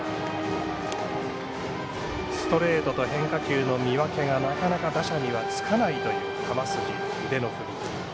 ストレートと変化球の見分けがなかなか打者にはつかないという球筋、腕の振り。